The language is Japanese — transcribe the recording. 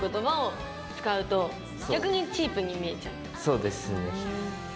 そうですね。